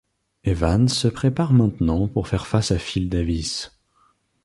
Evans se prépare maintenant pour faire face à Phil Davis.